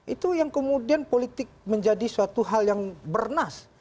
itu yang kemudian politik menjadi suatu hal yang bernas